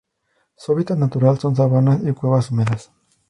Su hábitat natural son sabanas y cuevas húmedas.